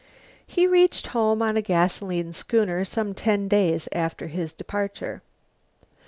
He reached home on a gasoline schooner some ten days after his departure.